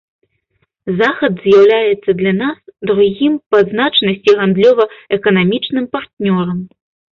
Захад з'яўляецца для нас другім па значнасці гандлёва-эканамічным партнёрам.